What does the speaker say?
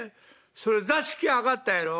それ座敷上がったやろ。